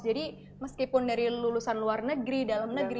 jadi meskipun dari lulusan luar negeri dalam negeri